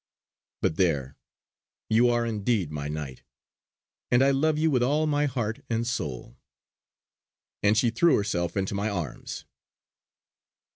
But there, you are indeed my Knight; and I love you with all my heart and soul!" and she threw herself into my arms.